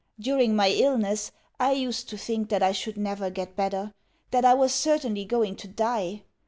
During my illness I used to think that I should never get better, that I was certainly going to die.